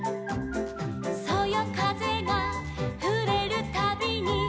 「そよかぜがふれるたびに」